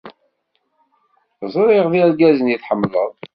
ẓriɣ d irgazen i tḥemmleḍ.